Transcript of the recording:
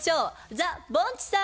ザ・ぼんちさん！